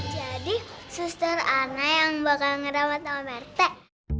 jadi sester anna yang bakal ngerawat sama merthek